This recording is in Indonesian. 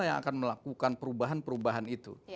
yang akan melakukan perubahan perubahan itu